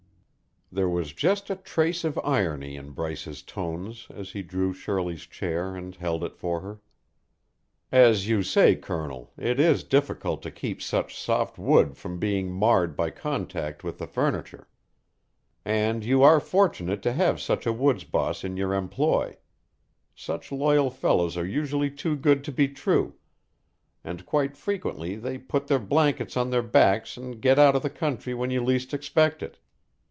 There was just a trace of irony in Bryce's tones as he drew Shirley's chair and held it for her. "As you say, Colonel, it is difficult to keep such soft wood from being marred by contact with the furniture. And you are fortunate to have such a woods boss in your employ. Such loyal fellows are usually too good to be true, and quite frequently they put their blankets on their backs and get out of the country when you least expect it.